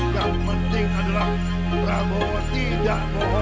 jangan tersadu kita pasti menang